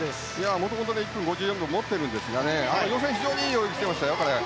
もともと１分５４秒持っているんですが予選は非常にいい泳ぎをしていましたよ。